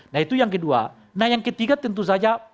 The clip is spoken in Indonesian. nah itu yang kedua nah yang ketiga tentu saja